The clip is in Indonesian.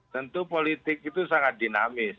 tentu politik itu sangat dinamis